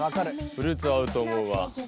フルーツは合うと思うわ。